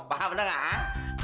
paham denger nggak